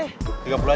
ini berapa bang